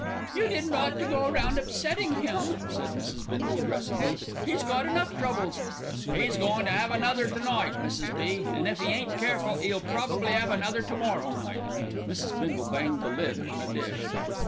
"You didn't ought to go round upsetting him," said Mrs. Bindle aggressively. "He's got enough troubles." "'E's goin' to 'ave another to night, Mrs. B.; an' if 'e ain't careful, 'e'll probably 'ave another to morrow night." Mrs. Bindle banged the lid on a dish.